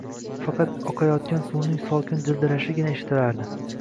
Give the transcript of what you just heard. Faqat oqayotgan suvning sokin jildirashigina eshitilardi